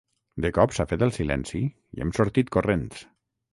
De cop s’ha fet el silenci i hem sortit corrents.